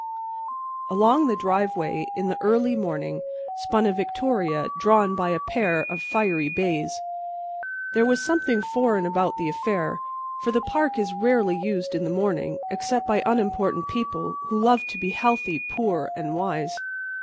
Along the driveway in the early morning spun a victoria drawn by a pair of fiery bays. There was something foreign about the affair, for the Park is rarely used in the morning except by unimportant people who love to be healthy, poor and wise.